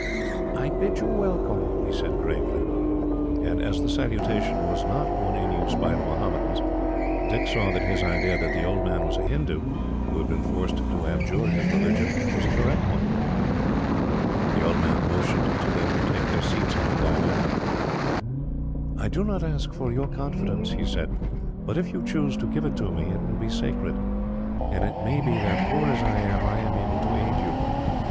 "I bid you welcome," he said gravely. And as the salutation was not one in use by the Mohammedans, Dick saw that his idea that the old man was a Hindoo, who had been forced to abjure his religion, was a correct one. The old man motioned to them to take their seats on the divan. "I do not ask for your confidence," he said, "but if you choose to give it to me, it will be sacred, and it may be that, poor as I am, I am able to aid you.